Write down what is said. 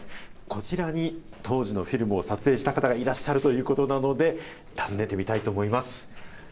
こちらに当時のフィルムを撮影した方がいらっしゃるということなので、訪ねてみたいと思います。